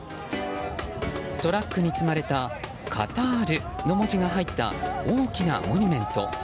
トラックに積まれた「カタール」の文字が入った大きなモニュメント。